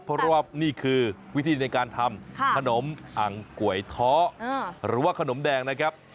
เพราะว่านี่คือวิธีในการทำขนมอังก๋วยท้อหรือว่าขนมแดงนะครับ